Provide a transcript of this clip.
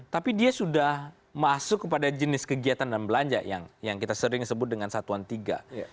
tapi dia sudah masuk kepada jenis kegiatan dan belanja yang kita sering sebut dengan satuan tiga